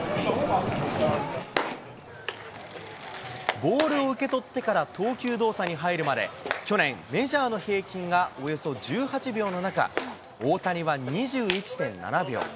ボールを受け取ってから投球動作に入るまで去年、メジャーの平均がおよそ１８秒の中、大谷は２１．７秒。